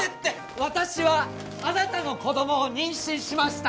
私はあなたの子供を妊娠しました